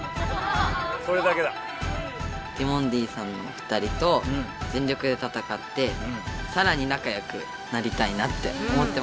ティモンディさんの２人と全力で戦ってさらになかよくなりたいなって思ってます。